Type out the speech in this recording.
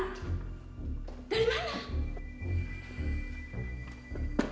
kenapa harus pusing